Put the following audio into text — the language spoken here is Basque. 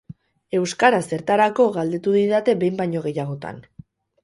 Euskara zertarako galdetu didate behin baino gehiagotan.